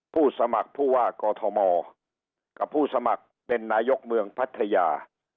ผู้สมัครผู้ว่ากอทมกับผู้สมัครเป็นนายกเมืองพัทยา